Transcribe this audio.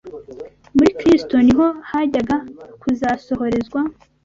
Muri Kristo ni ho hajyaga kuzasohorezwa